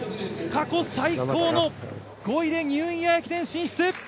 過去最高の５位でニューイヤー駅伝進出！